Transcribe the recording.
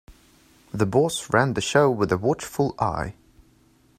The boss ran the show with a watchful eye.